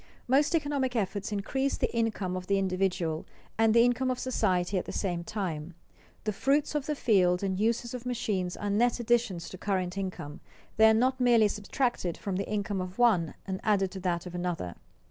_ Most economic efforts increase the income of the individual and the income of society at the same time. The fruits of the field and the uses of machines are net additions to current income; they are not merely subtracted from the income of one and added to that of another.